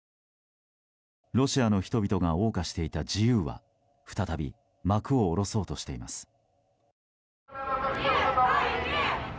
ロシアの人々が謳歌していた自由は再び幕を下ろそうとしています。